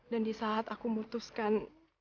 dan di saat aku mutuskan